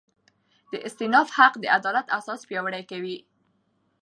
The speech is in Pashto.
د استیناف حق د عدالت احساس پیاوړی کوي.